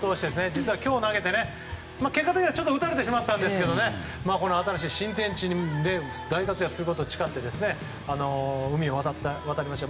実は今日投げて、結果的には打たれてしまったんですが新しい新天地で大活躍することを誓って海を渡りました。